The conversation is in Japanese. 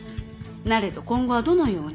なれど今度はどのように。